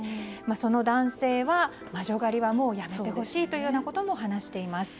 その男性は、魔女狩りはもうやめてほしいということも話しています。